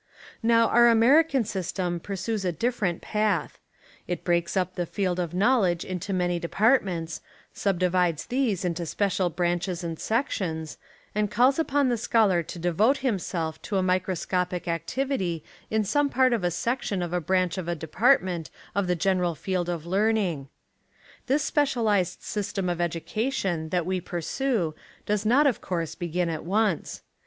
Now our American system pursues a different path. It breaks up the field of knowledge into many departments, subdivides these into spe cial branches and sections, and calls upon the scholar to devote himself to a microscopic ac tivity in some part of a section of a branch of a department of the general field of learning. 76 Literature and Education in America This specialised system of education that we pursue does not of course begin at once.